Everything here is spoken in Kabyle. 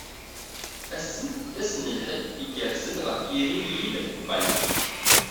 Ass-en d ass n lḥedd igerrzen ɣef yiri n yill n Baltik.